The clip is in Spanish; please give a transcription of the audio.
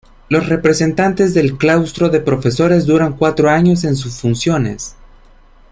Los representantes del Claustro de Profesores duran cuatro años en sus funciones.